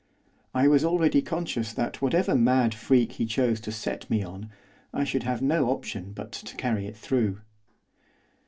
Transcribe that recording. I was already conscious that whatever mad freak he chose to set me on, I should have no option but to carry it through.